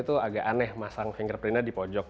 itu agak aneh masang fingerprint di pojok